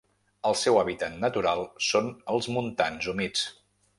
El seu hàbitat natural són els montans humits.